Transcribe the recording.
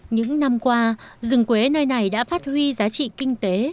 những năm qua rừng quế nơi này đã phát huy giá trị kinh tế